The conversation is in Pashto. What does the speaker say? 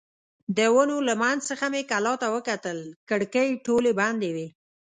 د ونو له منځ څخه مې کلا ته وکتل، کړکۍ ټولې بندې وې.